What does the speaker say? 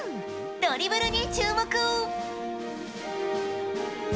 ドリブルに注目。